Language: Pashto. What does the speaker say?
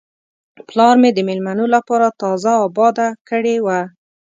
پلار مې د میلمنو لپاره تازه آباده کړې وه.